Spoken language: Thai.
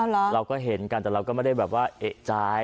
เราก็เห็นกันแต่เราก็ไม่ได้แบบว่าเอกใจ